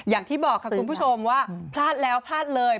อย่างที่บอกค่ะคุณผู้ชมว่าพลาดแล้วพลาดเลย